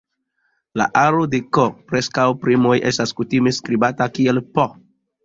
La aro de "k"-preskaŭ primoj estas kutime skribata kiel "P".